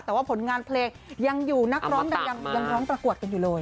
แต่ว่าผลงานเพลงยังอยู่นักร้องยังร้องประกวดกันอยู่เลย